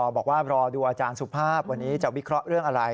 บอกว่ารอดูอาจารย์สุภาพวันนี้จะวิเคราะห์เรื่องอะไร